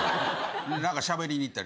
何かしゃべりに行ったりとか。